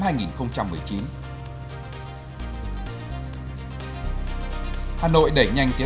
hà nội đẩy nhanh tiến lược hà nội